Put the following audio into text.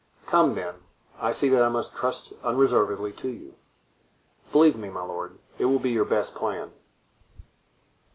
"Come, then, I see that I must trust unreservedly to you." "Believe me, my lord, it will be your best plan."